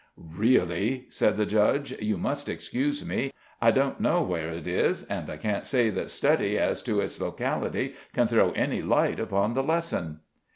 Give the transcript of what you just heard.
"Really," said the judge, "you must excuse me. I don't know where it is, and I can't see that study as to its locality can throw any light upon the lesson."